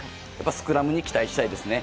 スクラムに期待したいですね。